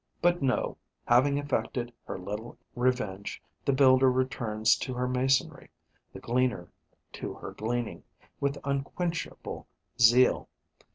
But no, having effected her little revenge, the builder returns to her masonry, the gleaner to her gleaning, with unquenchable zeal.